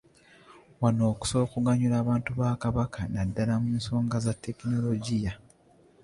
Wano okusobola okuganyula abantu ba Kabaka naddala mu nsonga za tekinologiya.